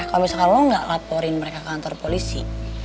kalau misalkan lo nggak laporin mereka ke kantor polisi